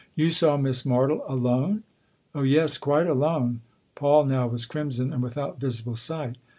" You saw Miss Martle alone ?" "Oh yes, quite alone." Paul now was crimson and without visible sight.